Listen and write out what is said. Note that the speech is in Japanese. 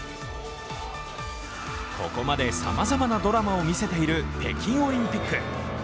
ここまでさまざまなドラマを見せている北京オリンピック。